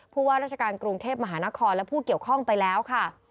ว่าราชการกรุงเทพมหานครและผู้เกี่ยวข้องไปแล้วค่ะ